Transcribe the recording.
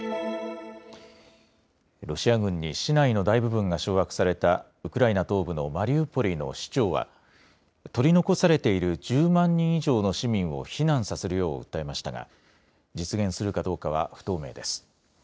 ロシア軍に市内の大部分が掌握されたウクライナ東部のマリウポリの市長は取り残されている１０万人以上の市民を避難させるよう訴えましたが実現するかどうかは不透明です。